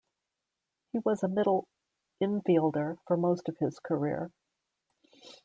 He was a middle infielder for most of his career.